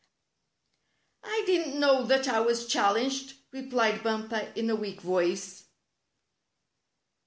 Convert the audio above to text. "I didn't know that I was challenged," re plied Bumper, in a weak voice.